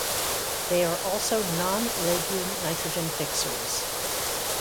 They are also non-legume nitrogen fixers.